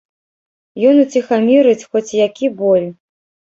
Ён уціхамірыць хоць які боль.